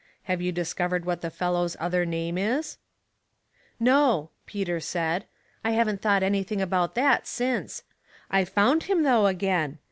Have you discovered wiiat i,i*v. fellow's other name is ?"" No," Peter said, " I haven't thought any thing about that since. I've found him, though, again.